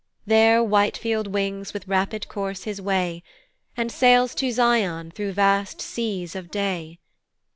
There Whitefield wings with rapid course his way, And sails to Zion through vast seas of day.